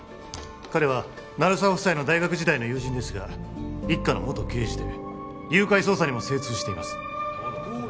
彼は鳴沢夫妻の大学時代の友人ですが一課の元刑事で誘拐捜査にも精通しています・東堂！？